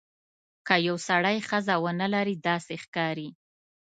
که یو سړی ښځه ونه لري داسې ښکاري.